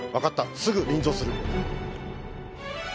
すぐ臨場する。